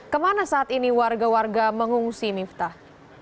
kemana saat ini warga warga mengungsi miftah